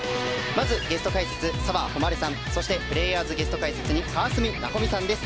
まずゲスト解説、澤穂希さんそしてプレーヤーズゲスト解説に川澄奈穂美さんです。